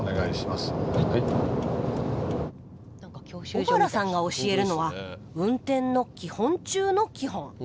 小原さんが教えるのは運転の基本中の基本。